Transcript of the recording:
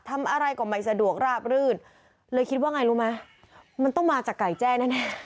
ทำอะไรก็ไม่สะดวกราบรื่นเลยคิดว่าไงรู้ไหมมันต้องมาจากไก่แจ้แน่